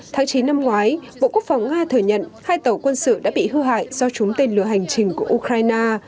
tháng chín năm ngoái bộ quốc phòng nga thừa nhận hai tàu quân sự đã bị hư hại do trúng tên lửa hành trình của ukraine